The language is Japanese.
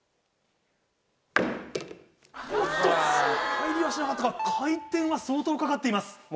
入りはしなかったが回転は相当かかっています。